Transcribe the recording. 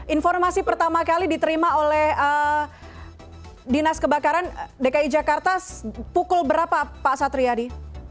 informasi pertama kali diterima oleh dinas kebakaran dki jakarta pukul berapa pak satriadi